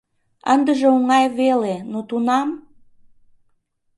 Ындыже оҥай веле, но тунам...